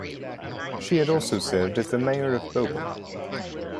She had also served as the mayor of Bhopal.